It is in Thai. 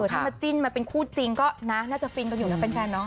ถ้้าจิ้นมาเป็นคู่จริงก็น่าจะฟินอยู่นะเป็นแฟนน้อง